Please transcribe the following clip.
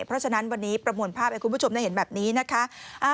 เพราะฉะนั้นวันนี้ประมวลภาพให้คุณผู้ชมได้เห็นแบบนี้นะคะ